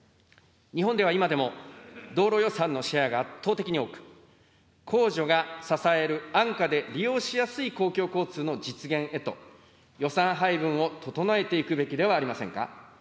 日本では今でも、道路予算のシェアが圧倒的に多く、公序が支える安価で利用しやすい公共交通の実現へと予算配分を整えていくべきではありませんか。